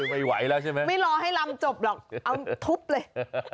ไปไหวแล้วไม่รอให้รำจบเอาทุบเลย